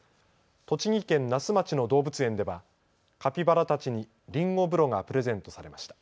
栃木県那須町の動物園ではカピバラたちにりんご風呂がプレゼントされました。